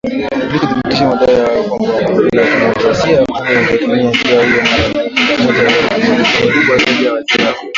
Ili kuthibitisha madai hayo na kwamba Jamhuri ya kidemokrasia ya Kongo ingetumia njia hiyo mara moja iwapo walikuwa na nia nzuri.